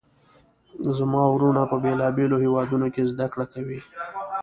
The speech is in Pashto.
زما وروڼه په بیلابیلو هیوادونو کې زده کړه کوي